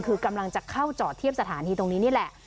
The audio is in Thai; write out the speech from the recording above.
คือกำลังจะเข้าจอดเทียบสถานีตรงนี้นี่แหละ